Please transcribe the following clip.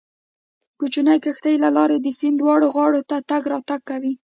کوچنۍ کښتۍ له لارې د سیند دواړو غاړو ته تګ راتګ کوي